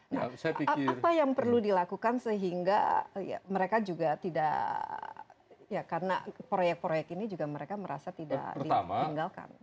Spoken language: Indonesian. nah apa yang perlu dilakukan sehingga mereka juga tidak ya karena proyek proyek ini juga mereka merasa tidak ditinggalkan